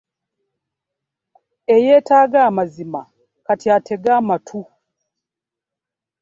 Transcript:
Eyeetaaga amazima kati atege amatu.